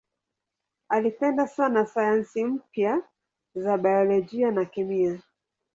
Alipenda sana sayansi mpya za biolojia na kemia.